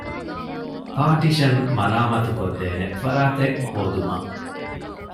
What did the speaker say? ޕާޓިޝަން މަރާމާތުކޮށްދޭނެ ފަރާތެއް ހޯދުމަށް